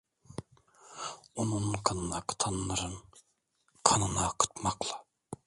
Onun kanını akıtanların kanını akıtmakla…